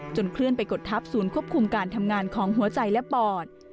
เคลื่อนไปกดทับศูนย์ควบคุมการทำงานของหัวใจและปอด